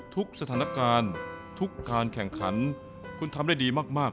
ทุกสถานการณ์ทุกการแข่งขันคุณทำได้ดีมาก